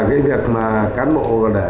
cái việc mà cán bộ